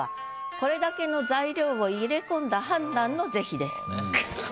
これだけの材料を入れ込んだ判断の是非です。